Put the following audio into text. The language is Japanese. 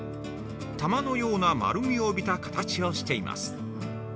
玉のような丸みを帯びた形をしています。